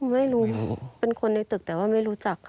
ไม่รู้เป็นคนในตึกแต่ว่าไม่รู้จักค่ะ